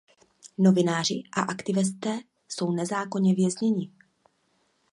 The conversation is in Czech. Novináři a aktivisté jsou nezákonně vězněni.